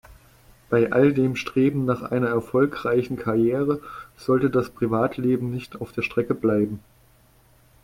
Bei all dem Streben nach einer erfolgreichen Karriere sollte das Privatleben nicht auf der Strecke bleiben.